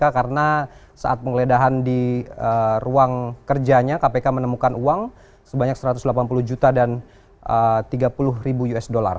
karena saat pengledahan di ruang kerjanya kpk menemukan uang sebanyak satu ratus delapan puluh juta dan tiga puluh ribu usd